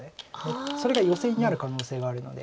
それがヨセになる可能性があるので。